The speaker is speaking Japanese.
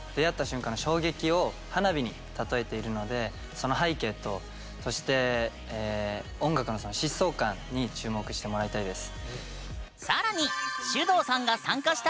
その背景とそして音楽の疾走感に注目してもらいたいです。